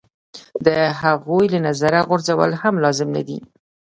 د هغوی له نظره غورځول هم لازم نه دي.